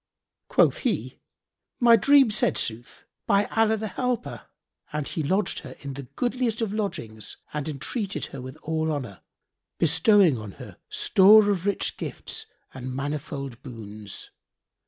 Quoth he, "My dream said sooth, by Allah the Helper!"; and he lodged her in the goodliest of lodgings and entreated her with all honour, bestowing on her store of rich gifts and manifold boons.